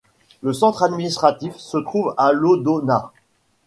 Le centre administratif se trouve à Ļaudona.